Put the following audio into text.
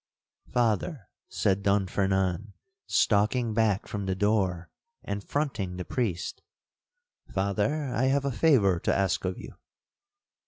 'Father,' said Don Fernan, stalking back from the door, and fronting the priest—'Father, I have a favour to ask of you.'